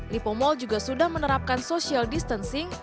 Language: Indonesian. tipo mal juga sudah menerapkan social distancing